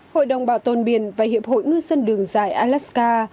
hội đồng bảo tồn biển và hiệp hội ngư dân đường dài alaska